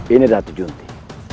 ini ratu junti